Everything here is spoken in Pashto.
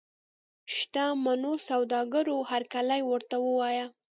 شته منو سوداګرو هرکلی ورته ووایه.